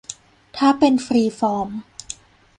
ถ้าเป็นฟรีฟอร์ม